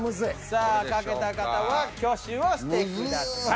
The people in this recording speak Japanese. さあ書けた方は挙手をしてください。